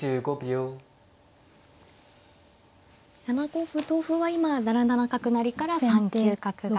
７五歩同歩は今７七角成から３九角が。